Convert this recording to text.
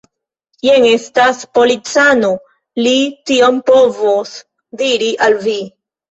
Jen estas policano; li tion povos diri al vi.